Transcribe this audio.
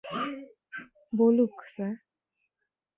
বলুক, স্যার।